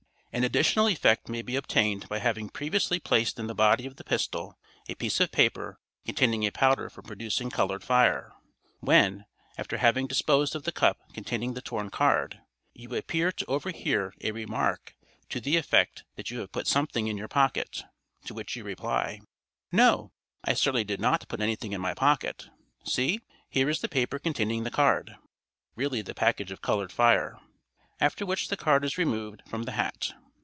An additional effect may be obtained by having previously placed in the body of the pistol a piece of paper containing a powder for producing colored fire, when, after having disposed of the cup containing the torn card, you appear to overhear a remark to the effect that you have put something in your pocket, to which you reply, "No, I certainly did not put anything in my pocket. See, here is the paper containing the card" (really the package of colored fire), after which the card is removed from the hat.